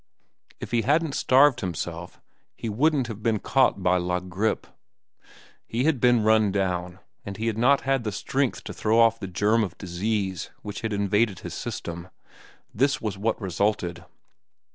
If he hadn't starved himself, he wouldn't have been caught by La Grippe. He had been run down, and he had not had the strength to throw off the germ of disease which had invaded his system. This was what resulted.